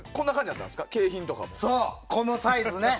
そう、このサイズね。